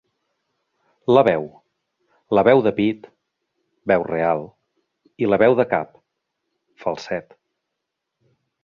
La veu, la veu de pit (veu real) i la veu de cap (falset).